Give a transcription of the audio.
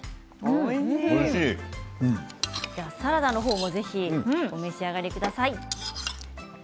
サラダの方もぜひお召し上がりください。